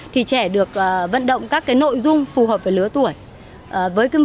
thì trẻ được vận động các nội dung phù hợp với lứa tuổi